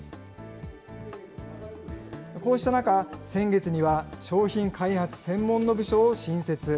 こうした中、先月には、商品開発専門の部署を新設。